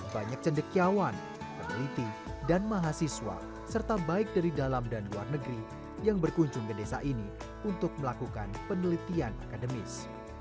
banyak cendekiawan peneliti dan mahasiswa serta baik dari dalam dan luar negeri yang berkunjung ke desa ini untuk melakukan penelitian akademis